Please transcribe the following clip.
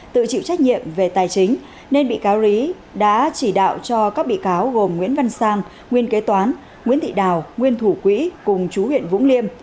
tự chịu trách nhiệm về tài chính nên bị cáo rí đã chỉ đạo cho các bị cáo gồm nguyễn văn sang nguyên kế toán nguyễn thị đào nguyên thủ quỹ cùng chú huyện vũng liêm